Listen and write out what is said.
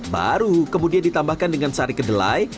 baru kemudian ditambahkan dengan sari kedelai